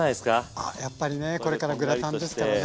あやっぱりねこれからグラタンですからね。